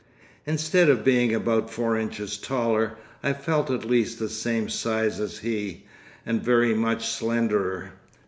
Instead of being about four inches taller, I felt at least the same size as he, and very much slenderer.